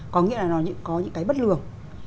có nghĩa là nó có những cái bất lường